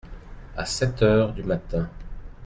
À sept heures du matin.